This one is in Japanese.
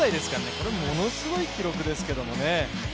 これはものすごい記録ですけどね。